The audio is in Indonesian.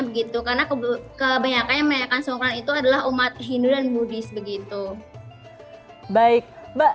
begitu karena kebanyakan yang menayakkan songkran itu adalah umat hindu dan buddhis begitu